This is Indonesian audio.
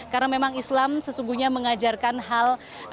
karena memang islam sesungguhnya mengajarkan hal